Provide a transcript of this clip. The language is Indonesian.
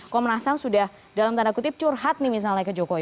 komnas ham sudah dalam tanda kutip curhat nih misalnya ke jokowi